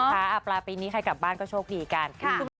ใช่ค่ะอับราปีนี้ใครกลับบ้านก็โชคดีกัน